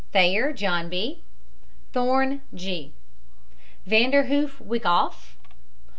THAYER, JOHN B. THORNE, G. VANDERHOOF, WYCKOFF.